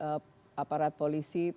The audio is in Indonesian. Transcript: mudah mudahan aparat polisi terus mendalami